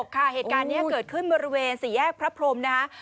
ค่ะเหตุการณ์นี้เกิดขึ้นบริเวณสี่แยกพระพรมนะคะ